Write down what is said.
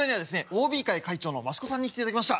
ＯＢ会会長の益子さんに来ていただきました。